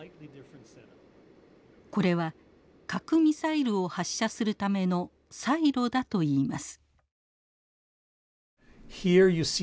これは核ミサイルを発射するためのサイロだといいます。